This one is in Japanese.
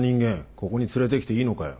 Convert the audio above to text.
ここに連れてきていいのかよ。